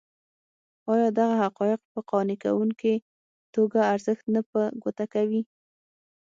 ایا دغه حقایق په قانع کوونکې توګه ارزښت نه په ګوته کوي.